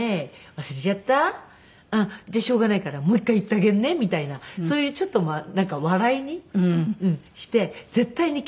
忘れちゃった？」「しょうがないからもう一回言ってあげるね」みたいなそういうちょっと笑いにして絶対にけなさない怒らない。